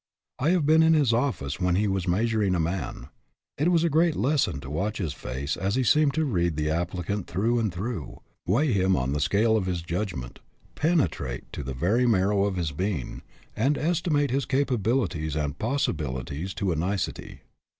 I have been in his office when he was measuring a man. It was a great lesson to watch his face as he seemed to read the applicant through and through, weigh him on the scale of his judg ment, penetrate to the very marrow of his being, and estimate his capabilities and possi bilities to a nicety.